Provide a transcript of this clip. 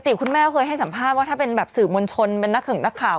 ปกติคุณแม่เขาเคยให้สัมภาพว่าถ้าเป็นแบบสื่อมโมนชลเป็นนักกรึ่งนักข่าว